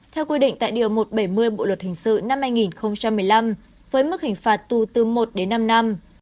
theo quy định tại điều một trăm bảy mươi bộ luật hình sự năm hai nghìn một mươi năm với mức hình phạt tù từ một đến năm năm